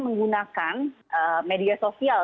menggunakan media sosial